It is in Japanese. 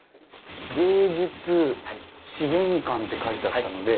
芸術資源館って書いてあったので。